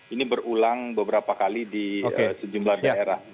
ini berulang beberapa kali di sejumlah daerah